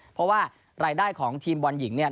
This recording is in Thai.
เพราะว่ารายได้ของทีมบอลหญิงเนี่ย